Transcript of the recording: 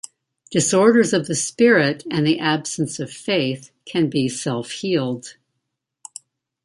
Disorders of the spirit and the absence of faith can be self-healed.